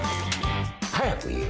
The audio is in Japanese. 早く言え！